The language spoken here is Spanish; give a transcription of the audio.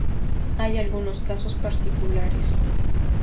Hay algunos casos particulares.